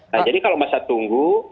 nah jadi kalau masa tunggu